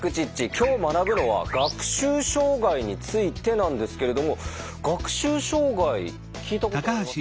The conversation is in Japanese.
今日学ぶのは「学習障害」についてなんですけれども学習障害聞いたことありますか？